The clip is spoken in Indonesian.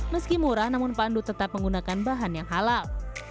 meski murah namun pak endut tetap menggunakan bahan yang halal